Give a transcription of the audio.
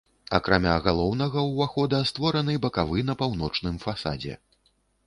Акрамя галоўнага ўвахода створаны бакавы на паўночным фасадзе.